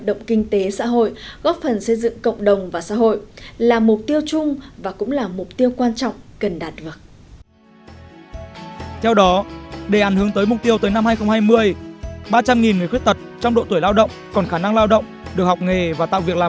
đăng ký kênh để ủng hộ kênh của mình nhé